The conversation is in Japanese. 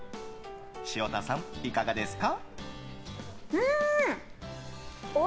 潮田さん、いかがですか？